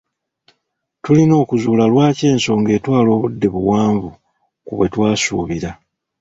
Tulina okuzuula lwaki ensonga etwala obudde buwanvu ku bwe twasuubira.